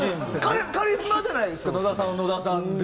カリスマじゃないですか野田さんは野田さんで。